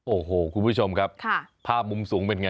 โอ้โหคุณผู้ชมครับภาพมุมสูงเป็นไง